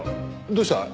どうした？